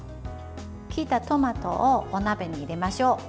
切ったトマトをお鍋に入れましょう。